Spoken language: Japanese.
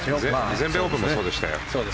全米オープンもそうでしたよ。